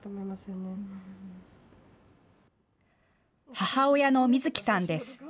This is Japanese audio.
母親のみずきさんです。